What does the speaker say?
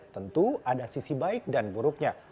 tentu ada sisi baik dan buruknya